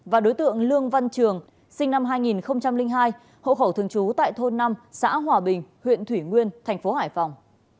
và đối tượng lương văn trường sinh năm hai nghìn hai hộ khẩu thường trú tại thôn năm xã hòa bình huyện thủy nguyên thành phố hải phòng